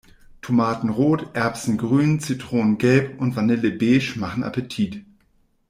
Tomatenrot, erbsengrün, zitronengelb und vanillebeige machen Appetit.